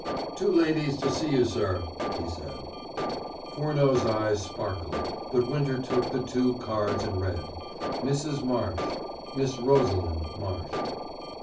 "Two ladies to see you, sir," he said. Furneaux's eyes sparkled, but Winter took the two cards and read: "Mrs. Marsh; Miss Rosalind Marsh."